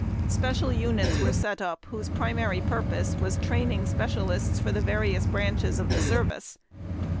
Special units were set up whose primary purpose was training specialists for the various branches of the service.